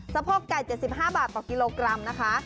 โพกไก่๗๕บาทต่อกิโลกรัมนะคะ